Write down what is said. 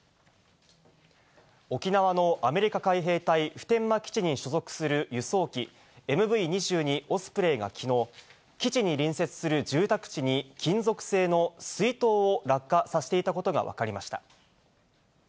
沖縄のアメリカ海兵隊普天間基地に所属する輸送機、ＭＶ２２オスプレイがきのう、基地に隣接する住宅地に金属製の水筒を落下させていたことが分かりました。